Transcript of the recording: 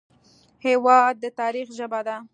هېواد د تاریخ ژبه ده.